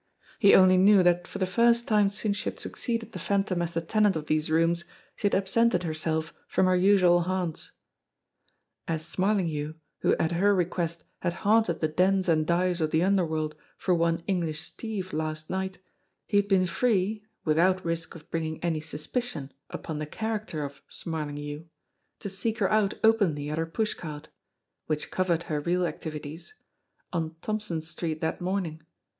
He only knew that for the first time since she had succeeded the Phantom as the tenant of these rooms, she had absented herself from her usual haunts. As Smarlinghue, who at her request had haunted the dens and dives of the underworld for one English Steve last night, he had been free, without risk of bringing any suspicion upon the character of "Smarlinghue," to seek her out openly at her pushcart which covered her real activities on Thompson Street that morning.